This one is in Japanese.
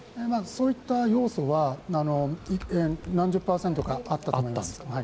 そういった要素は何十パーセントかあったと思います。